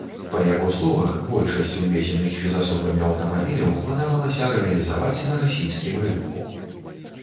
Па яго словах, большасць увезеных фізасобамі аўтамабіляў планавалася рэалізаваць на расійскім рынку.